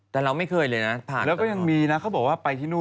แล้วก็ยังมีนะเขาบอกไปที่นู่น